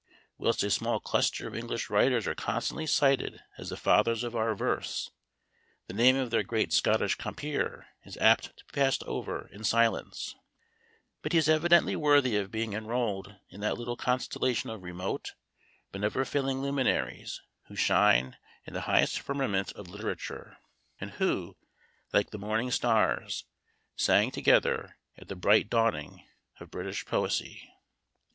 Whilst a small cluster of English writers are constantly cited as the fathers of our verse, the name of their great Scottish compeer is apt to be passed over in silence; but he is evidently worthy of being enrolled in that little constellation of remote but never failing luminaries who shine in the highest firmament of literature, and who, like morning stars, sang together at the bright dawning of British poesy.